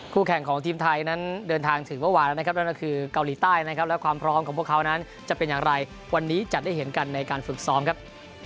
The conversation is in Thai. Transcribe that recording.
แข่งของทีมไทยนั้นเดินทางถึงเมื่อวานแล้วนะครับนั่นก็คือเกาหลีใต้นะครับและความพร้อมของพวกเขานั้นจะเป็นอย่างไรวันนี้จะได้เห็นกันในการฝึกซ้อมครับ